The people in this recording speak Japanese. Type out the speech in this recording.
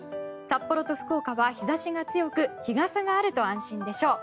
札幌と福岡は日差しが強く日傘があると安心でしょう。